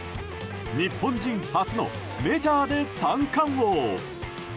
日本人初のメジャーで三冠王。